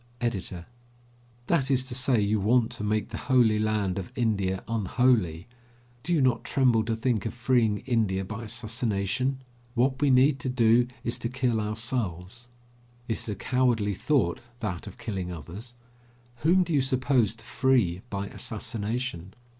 EDITOR: That is to say, you want to make the holy land of India unholy. Do you not tremble to think of freeing India by assassination? What we need to do is to kill ourselves. It is a cowardly thought, that of killing others. Whom do you suppose to free by assassination?